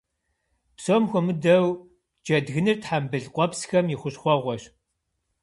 Псом хуэмыдэу, джэдгыныр тхьэмбыл къуэпсхэм и хущхъуэгъуэщ.